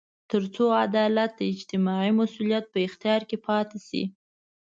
تر څو عدالت د اجتماعي مسوولیت په اختیار کې پاتې شي.